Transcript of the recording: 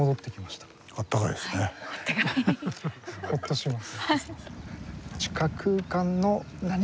ほっとします。